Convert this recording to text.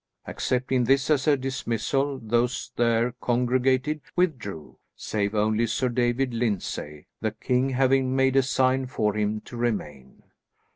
Accepting this as dismissal, those there congregated withdrew, save only Sir David Lyndsay, the king having made a sign for him to remain.